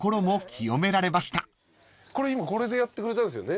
これでやってくれたんですよね？